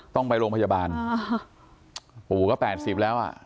ต้องไปโรงพยาบาลปู่ก็๘๐แล้วอ่ะ